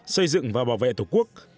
xây dựng và bảo vệ tổ quốc